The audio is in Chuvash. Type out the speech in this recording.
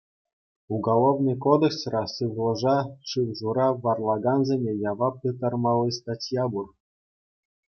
Уголовнӑй кодексра сывлӑша, шыв-шура варалакансене явап тыттармалли статья пур.